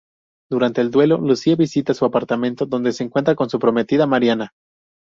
Durante el duelo, Lucía visita su apartamento, donde se encuentra con su prometida, Mariana.